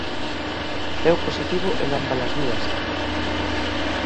Deu positivo en ámbalas dúas.